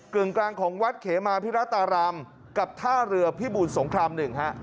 กลางของวัดเขมาพิรัตรารามกับท่าเรือพิบูรสงครามหนึ่งฮะ